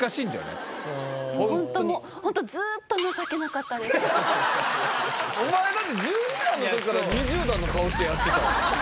ホントもうホントお前だって１２段の時から２０段の顔してやってたわ